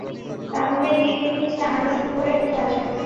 তাহলেই কেকের নিচের আনারস উপরে উঠে আসবে।